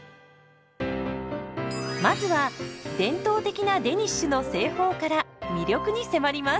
まずは伝統的なデニッシュの製法から魅力に迫ります。